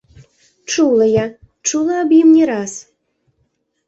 Чула я, чула аб ім не раз.